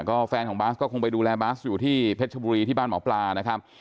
ก็แฟนของบาสก็คงไปดูแลบาสอยู่ที่เพชรบุรีที่บ้านหมอปลานะครับ